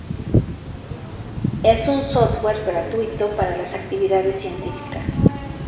Es un software gratuito para las actividades científicas.